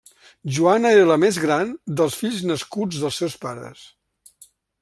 Joana era la més gran dels fills nascuts dels seus pares.